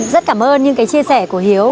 rất cảm ơn những cái chia sẻ của hiếu